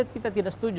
kita tidak setuju